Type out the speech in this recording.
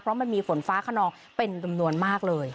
เพราะมันมีฝนฟ้าขนองเป็นจำนวนมากเลย